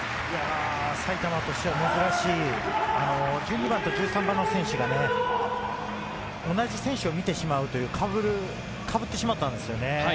埼玉としては珍しい１２番と１３番の選手が同じ選手を見てしまうという、かぶってしまったんですね。